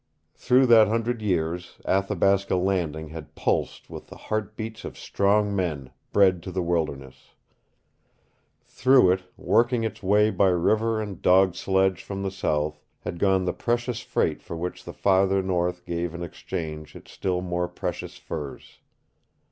Through that hundred years Athabasca Landing had pulsed with the heart beats of strong men bred to the wilderness. Through it, working its way by river and dog sledge from the South, had gone the precious freight for which the farther North gave in exchange its still more precious furs.